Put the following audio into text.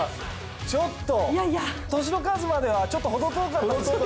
ちょっと年の数まではちょっと程遠かったですけども。